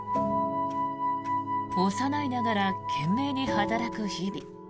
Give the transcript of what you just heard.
幼いながら懸命に働く日々。